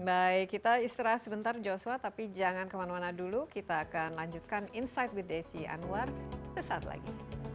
baik kita istirahat sebentar joshua tapi jangan kemana mana dulu kita akan lanjutkan insight with desi anwar sesaat lagi